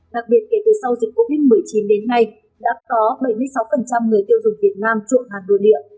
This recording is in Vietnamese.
đặc biệt kể từ sau dịch covid một mươi chín đến nay đã có bảy mươi sáu người tiêu dùng việt nam trội hàng nội địa